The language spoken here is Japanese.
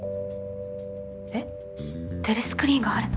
えっテレスクリーンがあるの！？